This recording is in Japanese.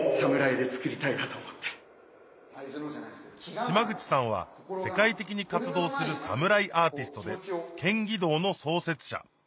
島口さんは世界的に活動するサムライアーティストで剱伎道の創設者